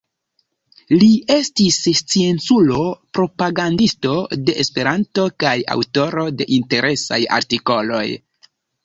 Li estis scienculo, propagandisto de Esperanto kaj aŭtoro de interesaj artikoloj.